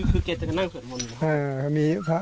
อ๋อคือเกษตรจะนั่งสวดม้อนหรือเปล่า